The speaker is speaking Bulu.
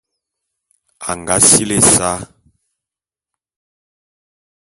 Anag sili ésa.